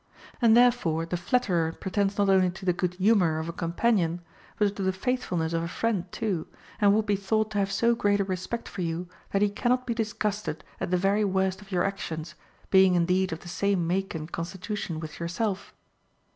And therefore the flatterer pretends not only to the good humor of a companion, but to the faithfulness of a friend too, and would be thought to have so great a respect for you that he cannot be disgusted at the very worst of your actions, being indeed of the same make and constitution with yourself.